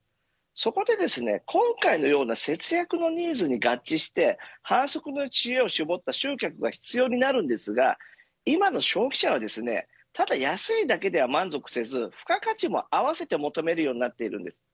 そこで今回のような節約のニーズに合致して販促の知恵を絞った集客が必要になりますが今の消費者はただ安いだけでは満足せず付加価値も合わせて求めるようになっているんです。